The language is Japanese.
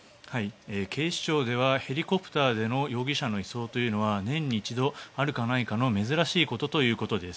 警視庁ではヘリコプターでの容疑者の移送というのは年に一度、あるかないかの珍しいことということです。